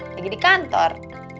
lagi di kantor